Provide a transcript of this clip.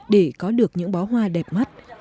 để có được những bó hoa đẹp mắt